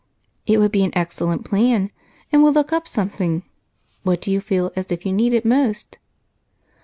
"It would be an excellent plan, and we'll look up something. What do you feel as if you needed most?"